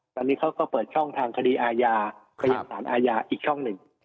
ตอนนี้เขาก็เปิดช่องทางคดีอาญาไปยังสารอาญาอีกช่องหนึ่ง